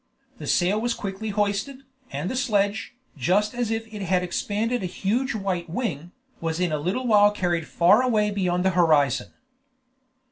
The sail was quickly hoisted, and the sledge, just as if it had expanded a huge white wing, was in a little while carried far away beyond the horizon.